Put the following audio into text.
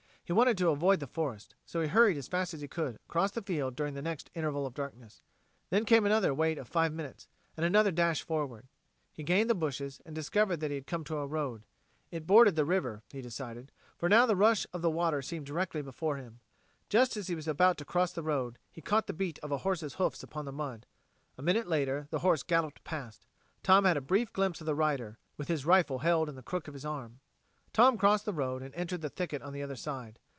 He wanted to avoid the forest, so he hurried as fast as he could across the field during the next interval of darkness. Then came another wait of five minutes, and another dash forward. He gained the bushes and discovered that he had come to a road. It bordered the river, he decided, for now the rush of the water seemed directly before him. Just as he was about to cross the road, he caught the beat of a horse's hoofs upon the mud. A minute later the horse galloped past; Tom had a brief glimpse of the rider, with his rifle held in the crook of his arm. Tom crossed the road and entered the thicket on the other side.